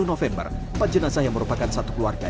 kamis sepuluh november empat jenazah yang merupakan satu keluarga